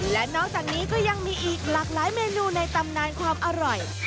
และนอกจากนี้ก็ยังมีอีกหลากหลายเมนูในตำนานความอร่อย